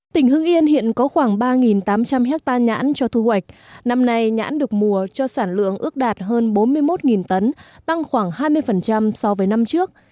tỉnh hưng yên hiện có khoảng ba tám trăm linh hectare nhãn cho thu hoạch năm nay nhãn được mùa cho sản lượng ước đạt hơn bốn mươi một tấn tăng khoảng hai mươi so với năm trước